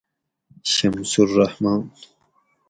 شمس الرحمن